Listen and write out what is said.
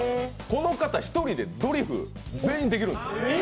この方、一人でドリフ全員できるんですよ。